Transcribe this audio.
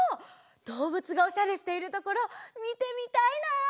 どうぶつがおしゃれしているところみてみたいな！